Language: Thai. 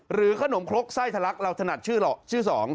หรือขนมคลกไส้ทะลักเราถนัดชื่อหรอกชื่อ๒